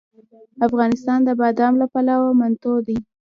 افغانستان د بادام له پلوه متنوع دی.